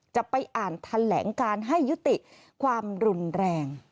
จะไปอ่านแถลงการให้ยุติความรุนแรง